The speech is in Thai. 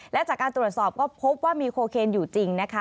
และจากการตรวจสอบก็พบว่ามีโคเคนอยู่จริงนะคะ